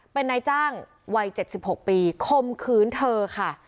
เป็นนายจ้างวัย๗๖ปีคมคืนเธอค่ะ